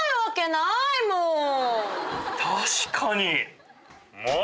確かに。